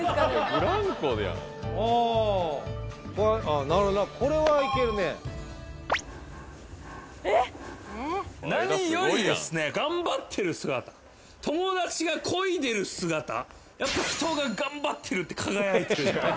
あなるほどな。何よりですね頑張ってる姿友だちがこいでる姿やっぱ人が頑張ってるって輝いてるじゃない。